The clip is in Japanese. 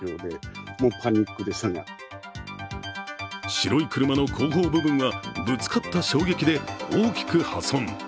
白い車の後方部分は、ぶつかった衝撃で大きく破損。